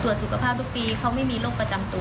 สุขภาพทุกปีเขาไม่มีโรคประจำตัว